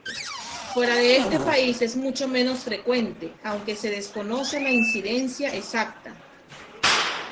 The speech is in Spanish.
Fuera de esta país es mucho menos frecuente, aunque se desconoce la incidencia exacta.